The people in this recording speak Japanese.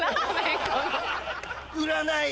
占い